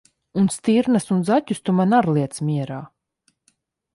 Un stirnas un zaķus tu man ar liec mierā!